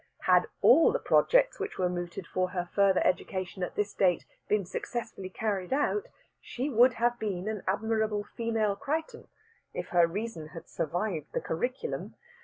Had all the projects which were mooted for her further education at this date been successfully carried out, she would have been an admirable female Crichton, if her reason had survived the curriculum.